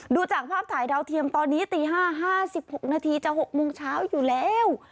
ดูจากภาพถ่ายดาวเทียมตอนนี้ตี๕๕๖นาทีจะ๖โมงเช้าอยู่แล้ว